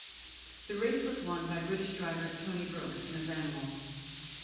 The race was won by British driver Tony Brooks in a Vanwall.